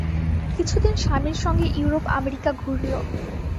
কিছুদিন স্বামীর সঙ্গে ইউরোপ-আমেরিকা ঘুরল।